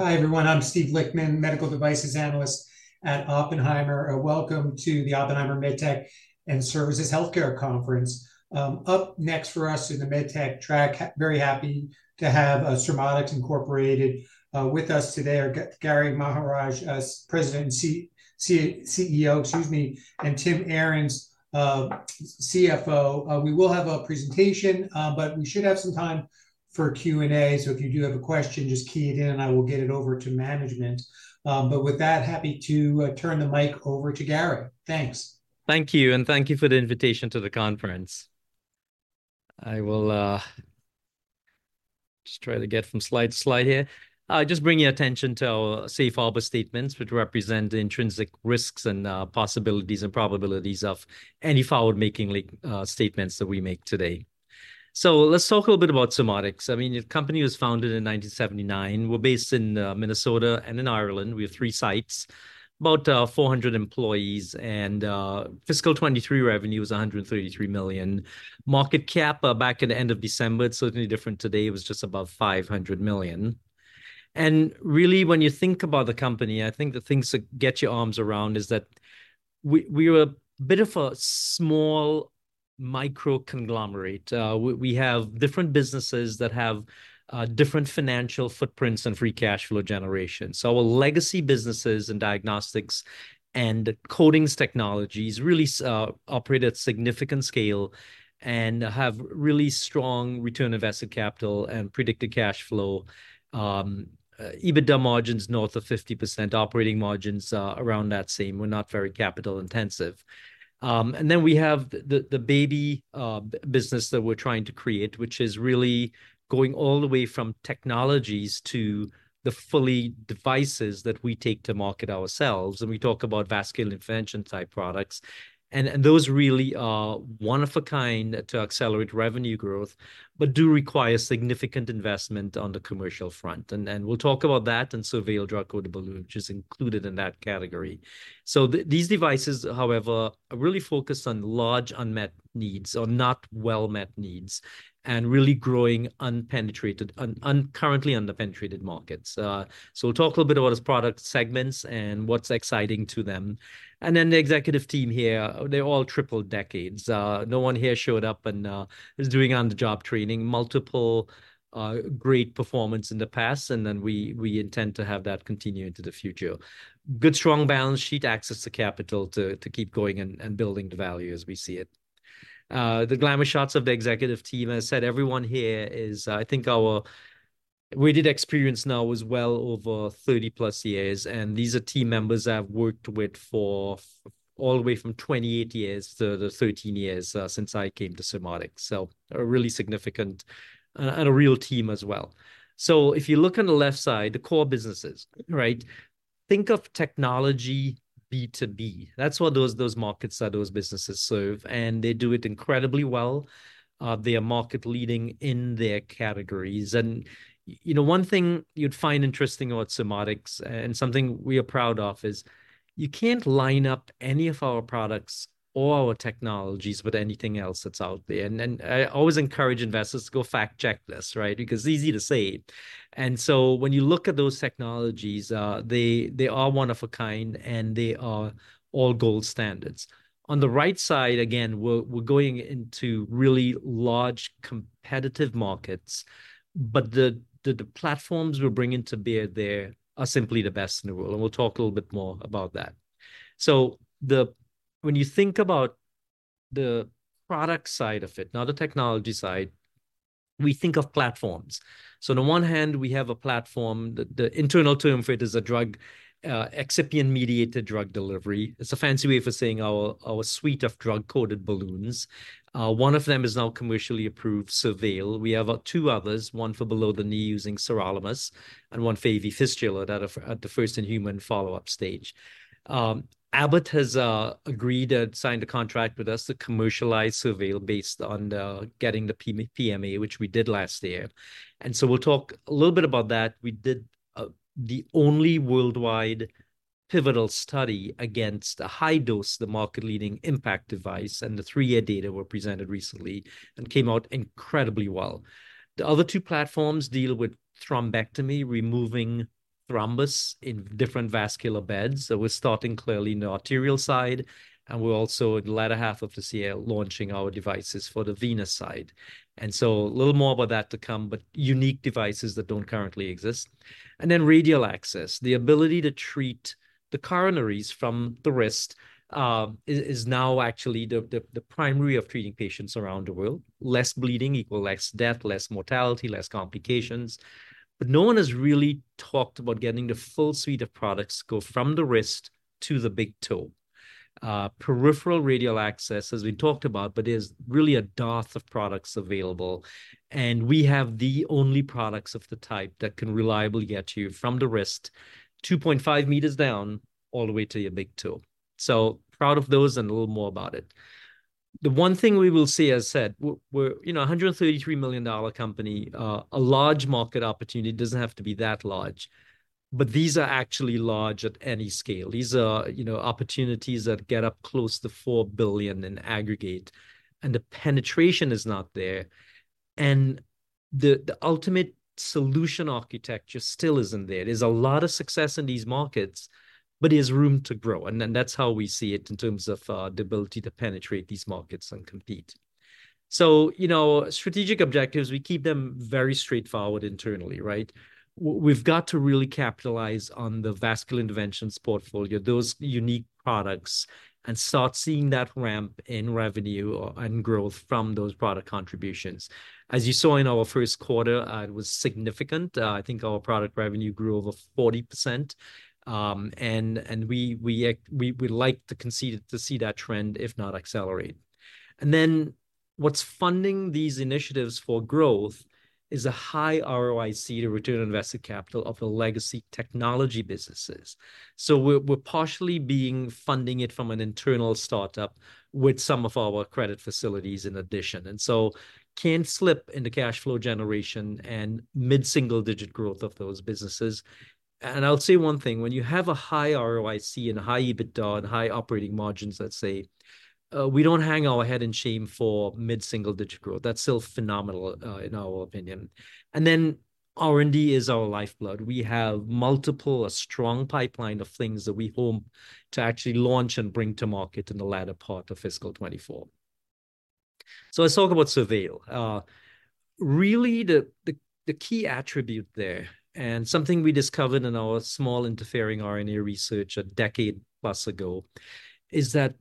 Hey. Hi, everyone, I'm Steve Lichtman, Medical Devices Analyst at Oppenheimer. Welcome to the Oppenheimer MedTech and Services Healthcare Conference. Up next for us in the MedTech track, very happy to have Surmodics Incorporated with us today, are Gary Maharaj, as President and CEO, excuse me, and Tim Arens, CFO. We will have a presentation, but we should have some time for Q&A. So if you do have a question, just key it in and I will get it over to management. But with that, happy to turn the mic over to Gary. Thanks. Thank you, and thank you for the invitation to the conference. I will just try to get from slide to slide here. Just bring your attention to our safe harbor statements, which represent the intrinsic risks and possibilities and probabilities of any forward-looking statements that we make today. So let's talk a little bit about Surmodics. I mean, the company was founded in 1979. We're based in Minnesota and in Ireland. We have three sites, about 400 employees, and fiscal 2023 revenue was $133 million. Market cap back at the end of December, it's certainly different today, it was just above $500 million. And really, when you think about the company, I think the things to get your arms around is that we, we're a bit of a small micro conglomerate. We have different businesses that have different financial footprints and free cash flow generation. So our legacy businesses in diagnostics and coatings technologies really operate at significant scale and have really strong return on invested capital and predicted cash flow. EBITDA margins north of 50%, operating margins around that same. We're not very capital intensive. And then we have the baby business that we're trying to create, which is really going all the way from technologies to the fully devices that we take to market ourselves, and we talk about vascular intervention-type products. And those really are one of a kind to accelerate revenue growth, but do require significant investment on the commercial front. And we'll talk about that, and SurVeil Drug-Coated Balloon, which is included in that category. So these devices, however, are really focused on large unmet needs or not well-met needs, and really growing unpenetrated, currently underpenetrated markets. So we'll talk a little bit about those product segments and what's exciting to them. And then the executive team here, they're all triple decades. No one here showed up and is doing on-the-job training. Multiple great performance in the past, and then we intend to have that continue into the future. Good, strong balance sheet, access to capital to keep going and building the value as we see it. The glamour shots of the executive team. As I said, everyone here is... I think our weighted experience now is well over 30+ years, and these are team members I've worked with for all the way from 28 years to the 13 years, since I came to Surmodics, so a really significant, and a real team as well. So if you look on the left side, the core businesses, right? Think of technology B2B. That's what those, those markets that those businesses serve, and they do it incredibly well. They are market leading in their categories. And, you know, one thing you'd find interesting about Surmodics, and something we are proud of, is you can't line up any of our products or our technologies with anything else that's out there. And then I always encourage investors to go fact-check this, right? Because it's easy to say it. And so when you look at those technologies, they are one of a kind, and they are all gold standards. On the right side, again, we're going into really large competitive markets, but the platforms we're bringing to bear there are simply the best in the world, and we'll talk a little bit more about that. So when you think about the product side of it, not the technology side, we think of platforms. So on the one hand, we have a platform, the internal term for it is a drug excipient-mediated drug delivery. It's a fancy way for saying our suite of drug-coated balloons. One of them is now commercially approved, SurVeil. We have two others, one for below the knee using sirolimus, and one for AV fistula that are at the first-in-human follow-up stage. Abbott has agreed and signed a contract with us to commercialize SurVeil based on getting the PMA, which we did last year, and so we'll talk a little bit about that. We did the only worldwide pivotal study against the high dose, the market-leading impact device, and the three-year data were presented recently and came out incredibly well. The other two platforms deal with thrombectomy, removing thrombus in different vascular beds. So we're starting clearly in the arterial side, and we're also, in the latter half of this year, launching our devices for the venous side. And so a little more about that to come, but unique devices that don't currently exist. And then radial access. The ability to treat the coronaries from the wrist is now actually the primary of treating patients around the world. Less bleeding equal less death, less mortality, less complications. But no one has really talked about getting the full suite of products to go from the wrist to the big toe. Peripheral radial access, as we talked about, but there's really a dearth of products available, and we have the only products of the type that can reliably get you from the wrist, 2.5m down, all the way to your big toe. So proud of those and a little more about it. The one thing we will see, as I said, we're, you know, a $133 million company, a large market opportunity, doesn't have to be that large.... but these are actually large at any scale. These are, you know, opportunities that get up close to $4 billion in aggregate, and the penetration is not there, and the ultimate solution architecture still isn't there. There's a lot of success in these markets, but there's room to grow, and then that's how we see it in terms of the ability to penetrate these markets and compete. So, you know, strategic objectives, we keep them very straightforward internally, right? We've got to really capitalize on the vascular interventions portfolio, those unique products, and start seeing that ramp in revenue or and growth from those product contributions. As you saw in our first quarter, it was significant. I think our product revenue grew over 40%, and we like to continue to see that trend, if not accelerate. And then, what's funding these initiatives for growth is a high ROIC, the return on invested capital, of the legacy technology businesses. So we're, we're partially being funding it from an internal start-up with some of our credit facilities in addition, and so can slip into cash flow generation and mid-single-digit growth of those businesses. And I'll say one thing, when you have a high ROIC, and a high EBITDA, and high operating margins, let's say, we don't hang our head in shame for mid-single-digit growth. That's still phenomenal, in our opinion. And then, R&D is our lifeblood. We have multiple, a strong pipeline of things that we hope to actually launch and bring to market in the latter part of fiscal 2024. So let's talk about SurVeil. Really, the key attribute there, and something we discovered in our small interfering RNA research a decade plus ago, is that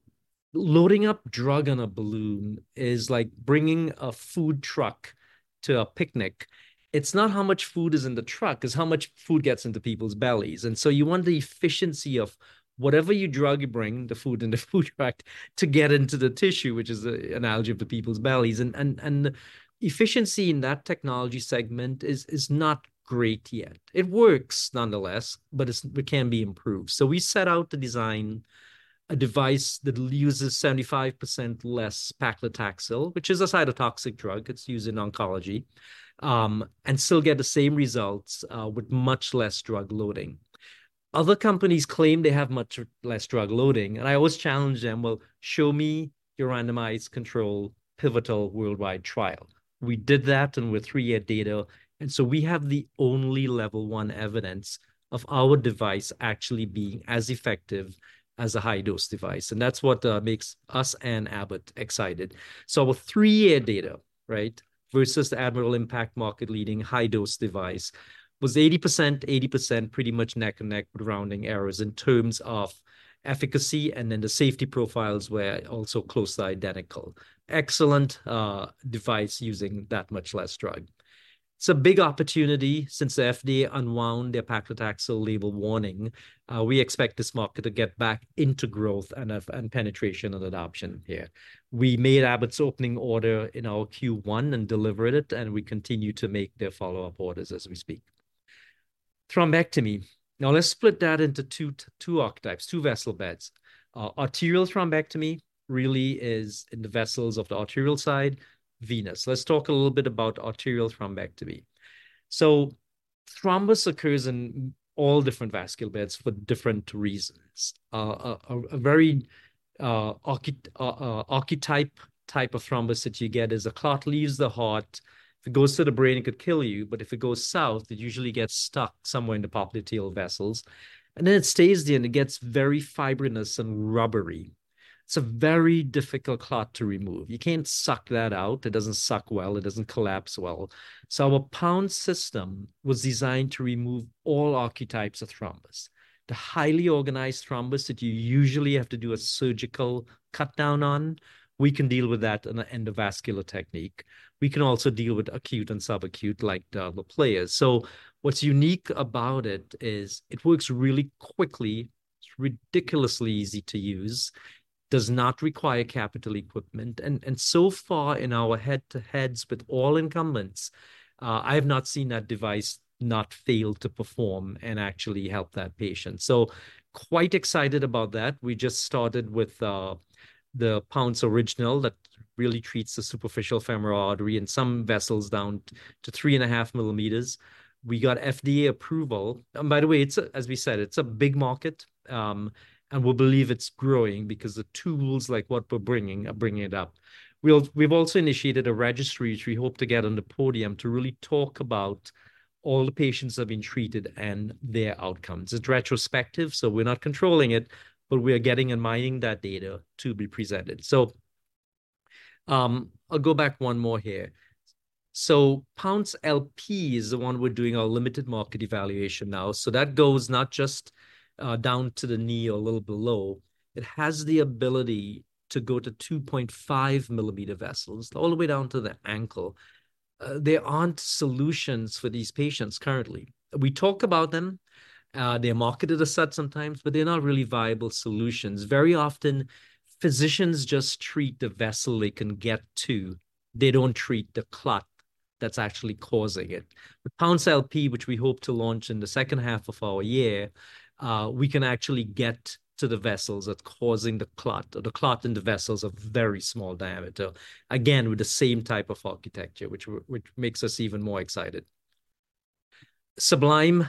loading up drug in a balloon is like bringing a food truck to a picnic. It's not how much food is in the truck, it's how much food gets into people's bellies. And so you want the efficiency of whatever drug you bring, the food in the food truck, to get into the tissue, which is an analogy of the people's bellies. And efficiency in that technology segment is not great yet. It works nonetheless, but it can be improved. So we set out to design a device that uses 75% less paclitaxel, which is a cytotoxic drug, it's used in oncology, and still get the same results, with much less drug loading. Other companies claim they have much less drug loading, and I always challenge them, "Well, show me your randomized controlled, pivotal worldwide trial." We did that, and with three-year data, and so we have the only level one evidence of our device actually being as effective as a high-dose device, and that's what makes us and Abbott excited. So our three-year data, right, versus the IN.PACT Admiral market-leading high-dose device, was 80%, 80% pretty much neck and neck with rounding errors in terms of efficacy, and then the safety profiles were also closely identical. Excellent device using that much less drug. It's a big opportunity since the FDA unwound their paclitaxel label warning. We expect this market to get back into growth and penetration, and adoption here. We made Abbott's opening order in our Q1 and delivered it, and we continue to make their follow-up orders as we speak. Thrombectomy. Now, let's split that into two archetypes, two vessel beds. Arterial thrombectomy really is in the vessels of the arterial side, venous. Let's talk a little bit about arterial thrombectomy. So thrombus occurs in all different vascular beds for different reasons. A very archetype type of thrombus that you get is, a clot leaves the heart, if it goes to the brain, it could kill you, but if it goes south, it usually gets stuck somewhere in the popliteal vessels, and then it stays there, and it gets very fibrinous and rubbery. It's a very difficult clot to remove. You can't suck that out. It doesn't suck well, it doesn't collapse well. So our Pounce system was designed to remove all archetypes of thrombus. The highly organized thrombus that you usually have to do a surgical cut down on, we can deal with that in a endovascular technique. We can also deal with acute and sub-acute, like, the players. So what's unique about it is, it works really quickly, it's ridiculously easy to use, does not require capital equipment, and, and so far, in our head to heads with all incumbents, I have not seen that device not fail to perform and actually help that patient. So quite excited about that. We just started with, the Pounce original that really treats the superficial femoral artery and some vessels down to 3.5mm. We got FDA approval, and by the way, it's a—as we said, it's a big market, and we believe it's growing because the tools, like what we're bringing, are bringing it up. We've also initiated a registry, which we hope to get on the podium, to really talk about all the patients that have been treated and their outcomes. It's retrospective, so we're not controlling it, but we are getting and mining that data to be presented. So, I'll go back one more here. So Pounce LP is the one we're doing our limited market evaluation now. So that goes not just down to the knee or a little below, it has the ability to go to 2.5mm vessels, all the way down to the ankle. There aren't solutions for these patients currently. We talk about them, they're marketed a set sometimes, but they're not really viable solutions. Very often, physicians just treat the vessel they can get to, they don't treat the clot that's actually causing it. The Pounce LP, which we hope to launch in the second half of our year, we can actually get to the vessels that's causing the clot, or the clot in the vessels of very small diameter. Again, with the same type of architecture, which makes us even more excited. Sublime,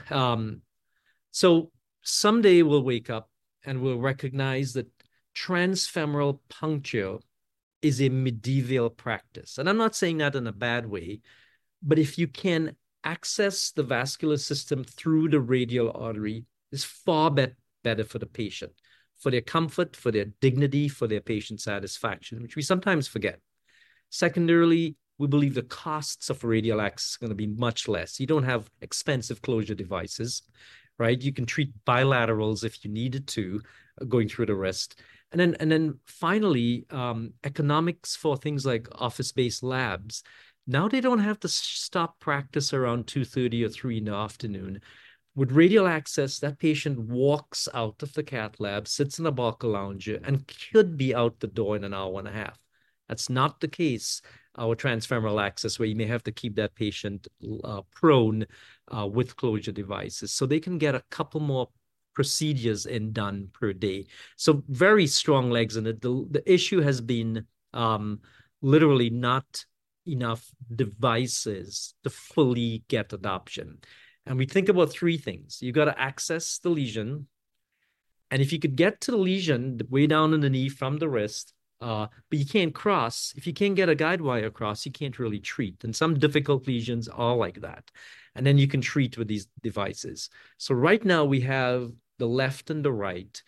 so someday we'll wake up, and we'll recognize that transfemoral puncture is a medieval practice. And I'm not saying that in a bad way, but if you can access the vascular system through the radial artery, it's far better for the patient, for their comfort, for their dignity, for their patient satisfaction, which we sometimes forget. Secondarily, we believe the costs of radial access is gonna be much less. You don't have expensive closure devices, right? You can treat bilaterals if you needed to, going through the wrist. And then finally, economics for things like office-based labs, now they don't have to stop practice around 2:30 P.M. or 3:00 P.M. With radial access, that patient walks out of the cath lab, sits in the Barcalounger, and could be out the door in an hour and a half. That's not the case with transfemoral access, where you may have to keep that patient prone with closure devices. So they can get a couple more procedures in done per day, so very strong legs in it. The issue has been literally not enough devices to fully get adoption. We think about three things: You've got to access the lesion, and if you could get to the lesion, way down in the knee from the wrist, but you can't cross. If you can't get a guidewire across, you can't really treat, and some difficult lesions are like that, and then you can treat with these devices. So right now we have the left and the right,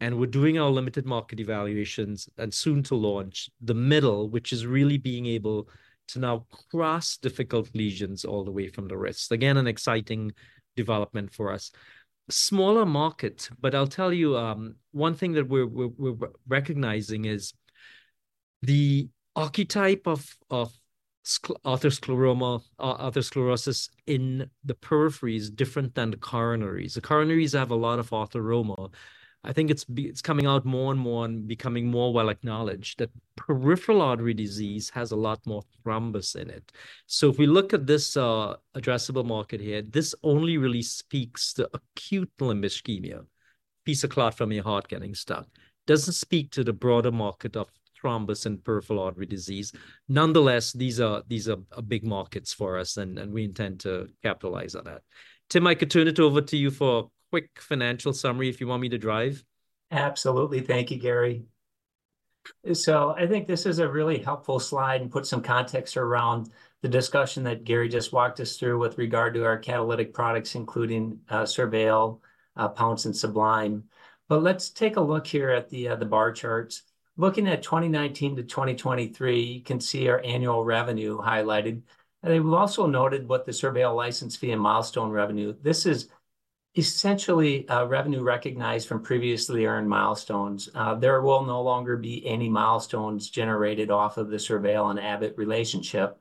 and we're doing our limited market evaluations, and soon to launch the middle, which is really being able to now cross difficult lesions all the way from the wrist. Again, an exciting development for us. Smaller market, but I'll tell you, one thing that we're recognizing is the archetype of atherosclerosis in the periphery is different than the coronaries. The coronaries have a lot of atheroma. I think it's coming out more and more and becoming more well-acknowledged that peripheral artery disease has a lot more thrombus in it. So if we look at this addressable market here, this only really speaks to acute limb ischemia, piece of clot from your heart getting stuck. Doesn't speak to the broader market of thrombus and peripheral artery disease. Nonetheless, these are, these are big markets for us, and we intend to capitalize on that. Tim, I could turn it over to you for a quick financial summary if you want me to drive. Absolutely. Thank you, Gary. So I think this is a really helpful slide and puts some context around the discussion that Gary just walked us through with regard to our catalytic products, including, SurVeil, Pounce, and Sublime. But let's take a look here at the, the bar charts. Looking at 2019 to 2023, you can see our annual revenue highlighted, and we've also noted what the SurVeil license fee and milestone revenue. This is essentially, revenue recognized from previously earned milestones. There will no longer be any milestones generated off of the SurVeil and Abbott relationship.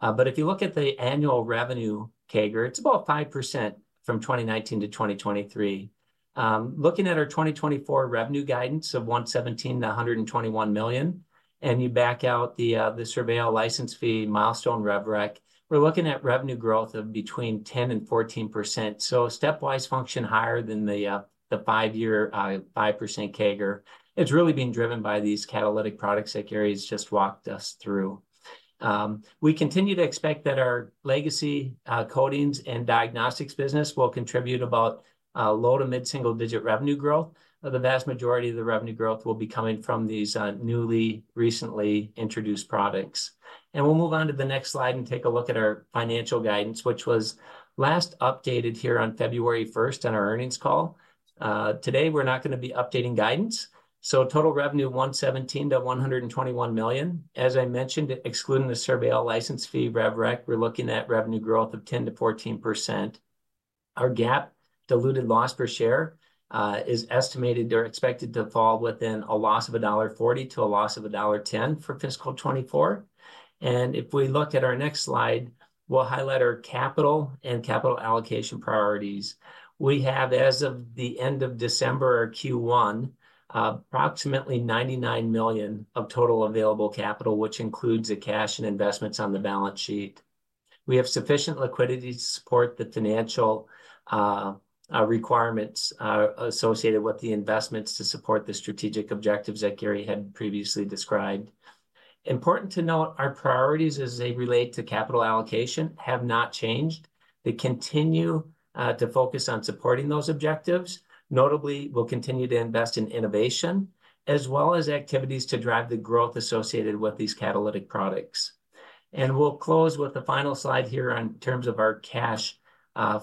But if you look at the annual revenue CAGR, it's about 5% from 2019-2023. Looking at our 2024 revenue guidance of $117 million-$121 million, and you back out the SurVeil license fee, milestone rev rec, we're looking at revenue growth of between 10%-14%, so a stepwise function higher than the five-year 5% CAGR. It's really being driven by these catalytic products that Gary's just walked us through. We continue to expect that our legacy coatings and diagnostics business will contribute about low- to mid-single-digit revenue growth. The vast majority of the revenue growth will be coming from these newly, recently introduced products. We'll move on to the next slide and take a look at our financial guidance, which was last updated here on February 1st on our earnings call. Today we're not gonna be updating guidance, so total revenue, $117 million-$121 million. As I mentioned, excluding the SurVeil license fee rev rec, we're looking at revenue growth of 10%-14%. Our GAAP diluted loss per share is estimated or expected to fall within a loss of $1.40-$1.10 for fiscal 2024. If we look at our next slide, we'll highlight our capital and capital allocation priorities. We have, as of the end of December, Q1, approximately $99 million of total available capital, which includes the cash and investments on the balance sheet. We have sufficient liquidity to support the financial requirements associated with the investments to support the strategic objectives that Gary had previously described. Important to note, our priorities as they relate to capital allocation have not changed. They continue to focus on supporting those objectives. Notably, we'll continue to invest in innovation, as well as activities to drive the growth associated with these catalytic products. We'll close with the final slide here in terms of our cash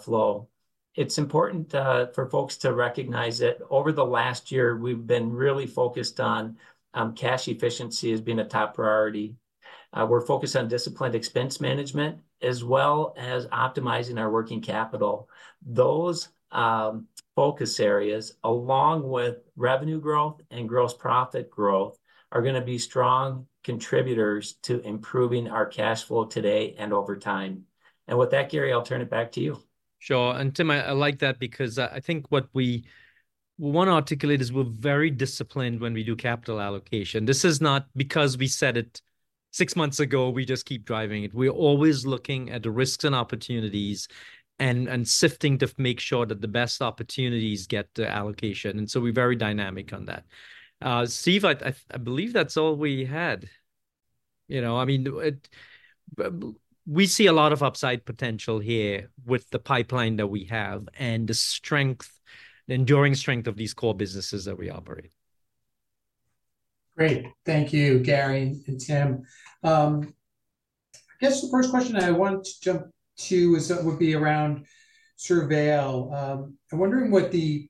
flow. It's important for folks to recognize that over the last year, we've been really focused on cash efficiency as being a top priority. We're focused on disciplined expense management, as well as optimizing our working capital. Those focus areas, along with revenue growth and gross profit growth, are gonna be strong contributors to improving our cash flow today and over time. And with that, Gary, I'll turn it back to you. Sure, Tim, I like that because I think what we want to articulate is we're very disciplined when we do capital allocation. This is not because we said it six months ago, we just keep driving it. We're always looking at the risks and opportunities and sifting to make sure that the best opportunities get the allocation, and so we're very dynamic on that. Steve, I believe that's all we had.... you know, I mean, it, but we see a lot of upside potential here with the pipeline that we have and the strength, the enduring strength of these core businesses that we operate. Great. Thank you, Gary and Tim. I guess the first question I want to jump to is that would be around SurVeil. I'm wondering what the,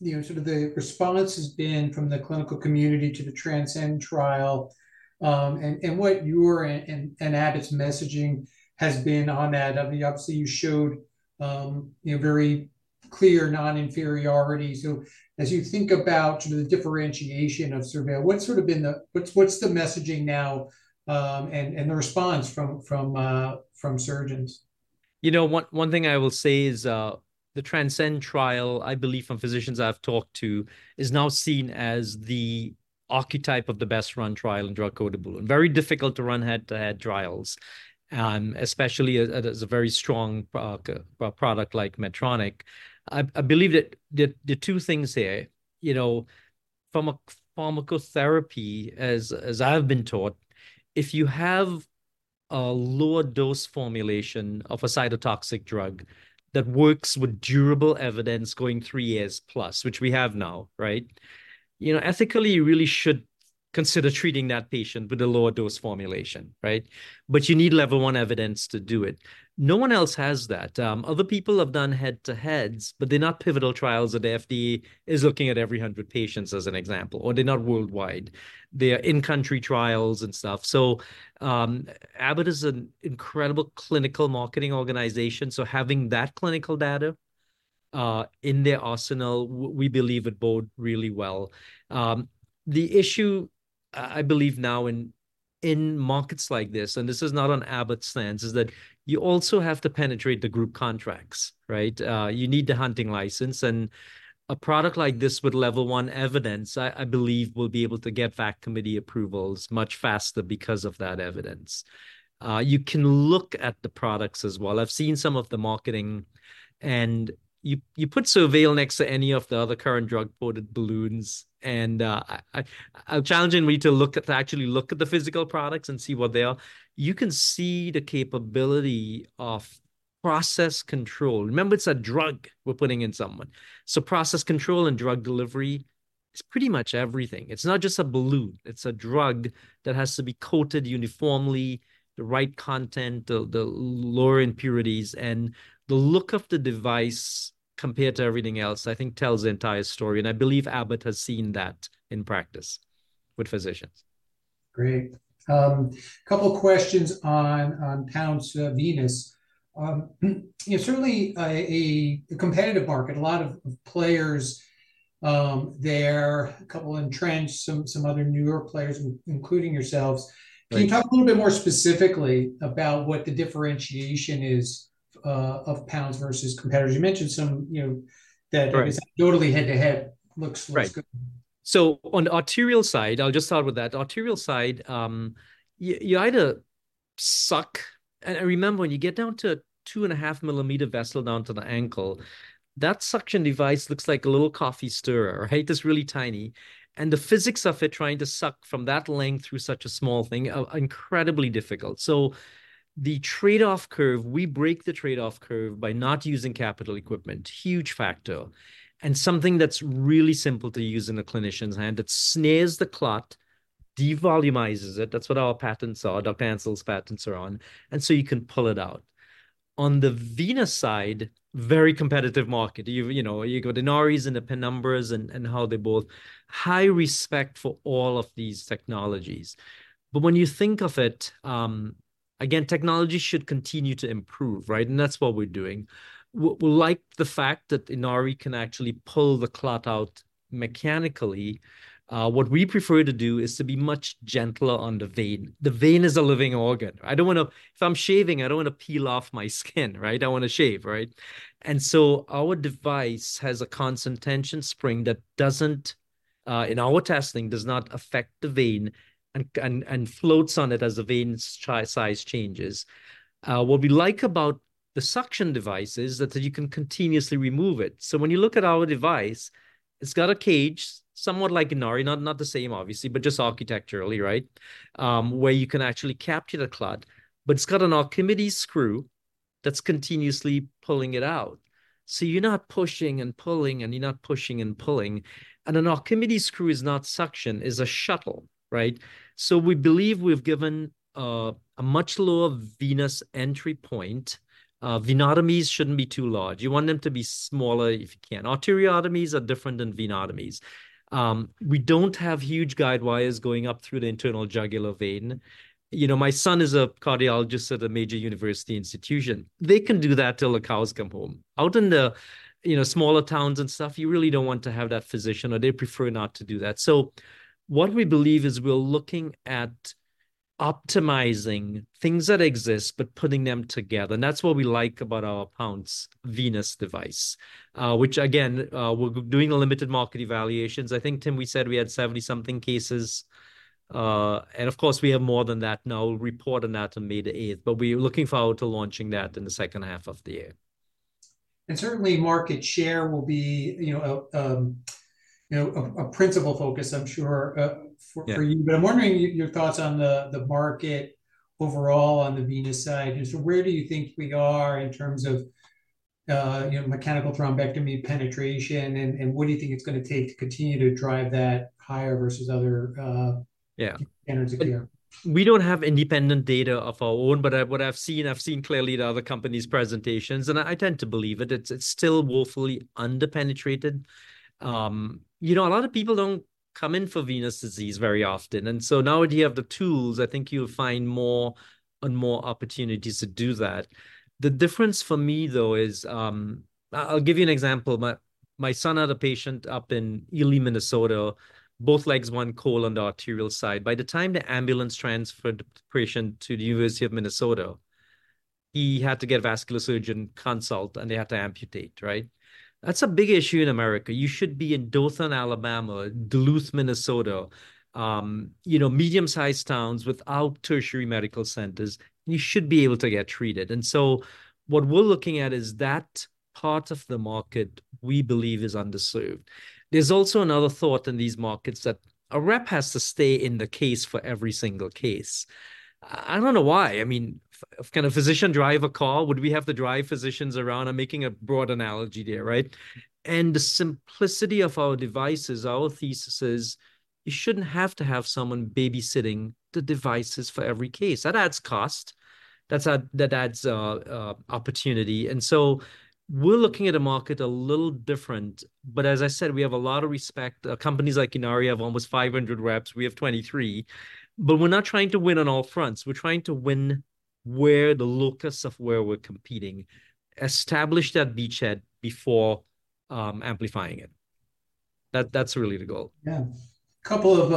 you know, sort of the response has been from the clinical community to the TRANSCEND trial, and what your and Abbott's messaging has been on that. I mean, obviously, you showed, you know, very clear non-inferiority. So as you think about the differentiation of SurVeil, what's sort of been the what's the messaging now, and the response from surgeons? You know what, one thing I will say is, the TRANSCEND trial, I believe from physicians I've talked to, is now seen as the archetype of the best-run trial in drug-coated balloon. Very difficult to run head-to-head trials, especially as a very strong pro product like Medtronic. I believe that there are two things here, you know, pharmacotherapy, as I've been taught, if you have a lower dose formulation of a cytotoxic drug that works with durable evidence going three years plus, which we have now, right? You know, ethically, you really should consider treating that patient with a lower dose formulation, right? But you need level one evidence to do it. No one else has that. Other people have done head-to-heads, but they're not pivotal trials that the FDA is looking at every 100 patients as an example, or they're not worldwide. They are in-country trials and stuff. So, Abbott is an incredible clinical marketing organization, so having that clinical data in their arsenal, we believe it bodes really well. The issue, I believe now in markets like this, and this is not on Abbott's stance, is that you also have to penetrate the group contracts, right? You need the hunting license, and a product like this with level 1 evidence, I believe, will be able to get fact committee approvals much faster because of that evidence. You can look at the products as well. I've seen some of the marketing, and you put SurVeil next to any of the other current drug-coated balloons, and I'll challenge anybody to look at, to actually look at the physical products and see what they are. You can see the capability of process control. Remember, it's a drug we're putting in someone. So process control and drug delivery is pretty much everything. It's not just a balloon; it's a drug that has to be coated uniformly, the right content, the lower impurities, and the look of the device compared to everything else, I think, tells the entire story, and I believe Abbott has seen that in practice with physicians. Great. A couple of questions on Pounce Venous. Certainly, a competitive market, a lot of players there, a couple entrenched, some other newer players, including yourselves. Right. Can you talk a little bit more specifically about what the differentiation is, of Pounce versus competitors? You mentioned some, you know- Right -that totally head-to-head looks- Right -looks good. So on the arterial side, I'll just start with that. Arterial side, you either suck and remember, when you get down to a 2.5mm vessel down to the ankle, that suction device looks like a little coffee stirrer, right? Just really tiny. And the physics of it, trying to suck from that length through such a small thing are incredibly difficult. So the trade-off curve, we break the trade-off curve by not using capital equipment, huge factor, and something that's really simple to use in a clinician's hand. It snares the clot, devolumizes it, that's what our patents are, Dr. Ansel's patents are on, and so you can pull it out. On the venous side, very competitive market. You know, you got Inari's and the Penumbra's and how they both... High respect for all of these technologies. But when you think of it, again, technology should continue to improve, right? And that's what we're doing. We like the fact that Inari can actually pull the clot out mechanically. What we prefer to do is to be much gentler on the vein. The vein is a living organ. I don't want to. If I'm shaving, I don't want to peel off my skin, right? I want to shave, right? And so our device has a constant tension spring that doesn't, in our testing, does not affect the vein and floats on it as the vein's size changes. What we like about the suction device is that you can continuously remove it. So when you look at our device, it's got a cage, somewhat like Inari, not the same, obviously, but just architecturally, right? Where you can actually capture the clot, but it's got an Archimedes screw that's continuously pulling it out. So you're not pushing and pulling, and you're not pushing and pulling. And an Archimedes screw is not suction, is a shuttle, right? So we believe we've given a much lower venous entry point. Venotomies shouldn't be too large. You want them to be smaller if you can. Arteriotomies are different than venotomies. We don't have huge guide wires going up through the internal jugular vein. You know, my son is a cardiologist at a major university institution. They can do that till the cows come home. Out in the, you know, smaller towns and stuff, you really don't want to have that physician, or they prefer not to do that. So what we believe is we're looking at optimizing things that exist, but putting them together, and that's what we like about our Pounce Venous device. Which again, we're doing a limited market evaluations. I think, Tim, we said we had 70-something cases. And of course, we have more than that now. We'll report on that on May the eighth, but we're looking forward to launching that in the second half of the year.... and certainly market share will be, you know, a principal focus, I'm sure, for- Yeah for you. But I'm wondering your thoughts on the market overall on the venous side. And so where do you think we are in terms of, you know, mechanical thrombectomy penetration, and what do you think it's going to take to continue to drive that higher versus other, Yeah standards of care? We don't have independent data of our own, but what I've seen, I've seen clearly the other companies' presentations, and I tend to believe it. It's still woefully under-penetrated. You know, a lot of people don't come in for venous disease very often, and so now that you have the tools, I think you'll find more and more opportunities to do that. The difference for me, though, is, I'll give you an example. My son had a patient up in Ely, Minnesota, both legs, one clot on the arterial side. By the time the ambulance transferred the patient to the University of Minnesota, he had to get a vascular surgeon consult, and they had to amputate, right? That's a big issue in America. You should be in Dothan, Alabama, Duluth, Minnesota, you know, medium-sized towns without tertiary medical centers. You should be able to get treated. So what we're looking at is that part of the market we believe is underserved. There's also another thought in these markets that a rep has to stay in the case for every single case. I don't know why. I mean, can a physician drive a car? Would we have to drive physicians around? I'm making a broad analogy there, right? And the simplicity of our devices, our thesis is, you shouldn't have to have someone babysitting the devices for every case. That adds cost. That adds opportunity. So we're looking at a market a little different. But as I said, we have a lot of respect. Companies like Inari have almost 500 reps. We have 23. But we're not trying to win on all fronts, we're trying to win where the locus of where we're competing, establish that beachhead before, amplifying it. That, that's really the goal. Yeah. Couple of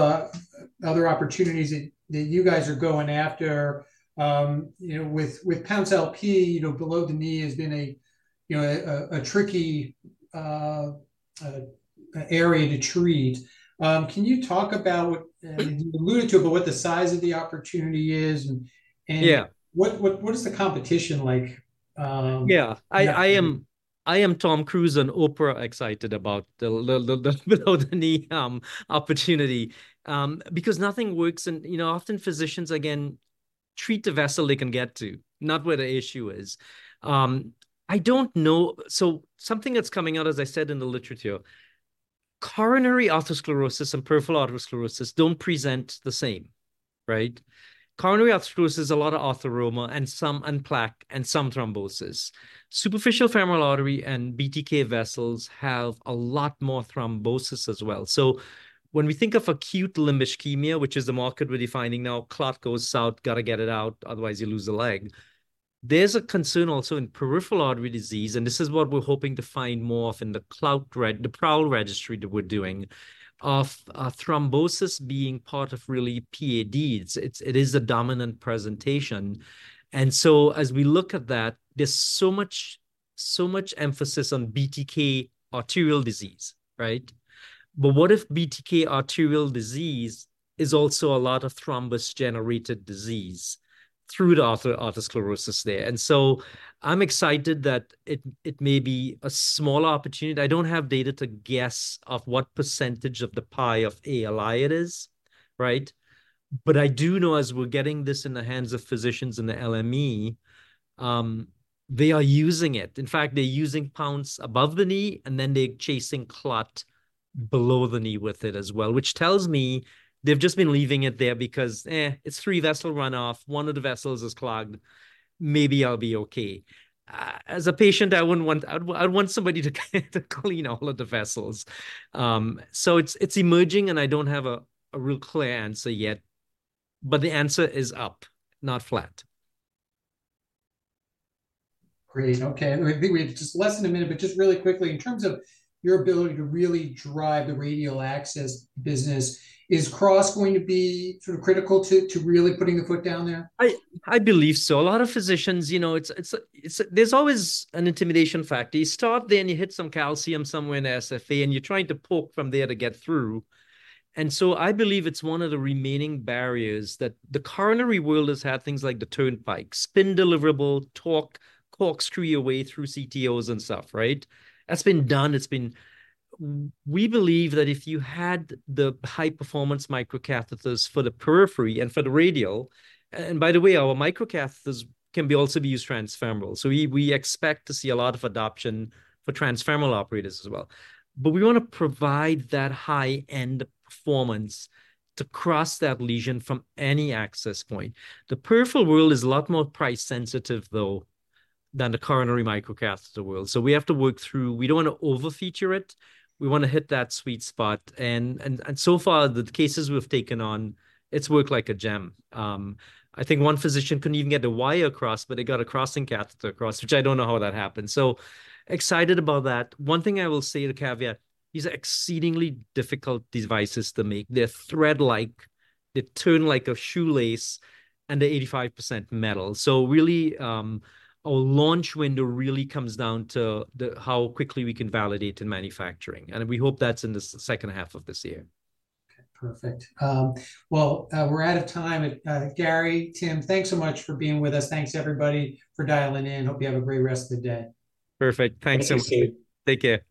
other opportunities that you guys are going after, you know, with Pounce LP, you know, below the knee has been a, you know, a tricky area to treat. Can you talk about, you alluded to it, about what the size of the opportunity is, and- Yeah... and what is the competition like? Yeah. Yeah. I am Tom Cruise and Oprah excited about the below-the-knee opportunity because nothing works. You know, often physicians, again, treat the vessel they can get to, not where the issue is. So something that's coming out, as I said in the literature, coronary atherosclerosis and peripheral atherosclerosis don't present the same, right? Coronary atherosclerosis, a lot of atheroma and some, and plaque and some thrombosis. Superficial femoral artery and BTK vessels have a lot more thrombosis as well. So when we think of acute limb ischemia, which is the market we're defining now, clot goes south, got to get it out, otherwise, you lose a leg. There's a concern also in peripheral artery disease, and this is what we're hoping to find more of in the PROWL registry that we're doing, of, thrombosis being part of really PAD. It's, it's, it is a dominant presentation. And so as we look at that, there's so much, so much emphasis on BTK arterial disease, right? But what if BTK arterial disease is also a lot of thrombus-generated disease through the atherosclerosis there? And so I'm excited that it, it may be a small opportunity. I don't have data to guess of what percentage of the pie of ALI it is, right? But I do know, as we're getting this in the hands of physicians in the LME, they are using it. In fact, they're using Pounce above the knee, and then they're chasing clot below the knee with it as well, which tells me they've just been leaving it there because, "Eh, it's three vessel run-off. One of the vessels is clogged. Maybe I'll be okay." As a patient, I wouldn't want. I'd want somebody to clean all of the vessels. So it's emerging, and I don't have a real clear answer yet, but the answer is up, not flat. Great, okay. I think we have just less than a minute, but just really quickly, in terms of your ability to really drive the radial access business, is Sublime going to be sort of critical to, to really putting the foot down there? I believe so. A lot of physicians, you know, there's always an intimidation factor. You start, then you hit some calcium somewhere in SFA, and you're trying to poke from there to get through. And so I believe it's one of the remaining barriers, that the coronary world has had things like the Turnpike, spin deliverable, torque, corkscrew your way through CTOs and stuff, right? That's been done. We believe that if you had the high-performance microcatheters for the periphery and for the radial. And by the way, our microcatheters can also be used transfemoral. So we expect to see a lot of adoption for transfemoral operators as well. But we want to provide that high-end performance to cross that lesion from any access point. The peripheral world is a lot more price-sensitive, though, than the coronary microcatheter world. So we have to work through. We don't want to overfeature it, we want to hit that sweet spot. And so far, the cases we've taken on, it's worked like a gem. I think one physician couldn't even get the wire across, but he got a crossing catheter across, which I don't know how that happened. So excited about that. One thing I will say, the caveat, these are exceedingly difficult devices to make. They're thread-like, they turn like a shoelace, and they're 85% metal. So really, our launch window really comes down to the, how quickly we can validate in manufacturing, and we hope that's in the second half of this year. Okay, perfect. Well, we're out of time. Gary, Tim, thanks so much for being with us. Thanks, everybody, for dialing in. Hope you have a great rest of the day. Perfect. Thanks so much. Thank you. Take care.